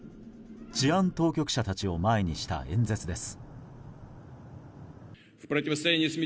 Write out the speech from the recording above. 治安当局者たちを前にした演説です。